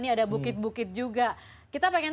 ini ada bukit bukit juga kita pengen